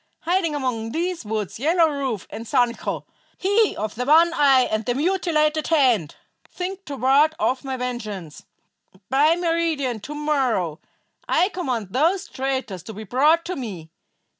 Hiding among these woods Yellow Rufe and Sancho, he of the one eye and the mutilated hand, think to ward off my vengeance. By meridian to morrow I command those traitors to be brought to me.